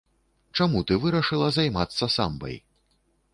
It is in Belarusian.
Чаму ты вырашыла займацца самбай?